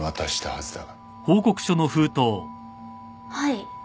はい。